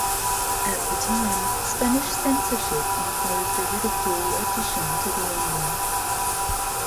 At the time, Spanish censorship imposed a ridicule addition to the ending.